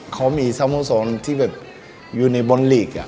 เขามีสมสมที่อยู่ในบอลลีก